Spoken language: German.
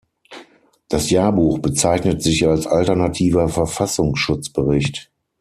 Das Jahrbuch bezeichnet sich als „alternativer Verfassungsschutzbericht“.